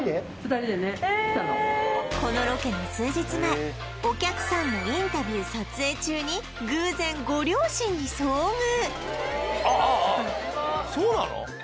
２人でね来たのこのロケの数日前お客さんのインタビュー撮影中に偶然ご両親に遭遇あああそうなの？